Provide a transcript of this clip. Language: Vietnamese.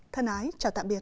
thân ái chào tạm biệt